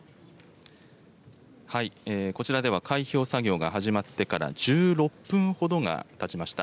こちらでは、開票作業が始まってから１６分ほどがたちました。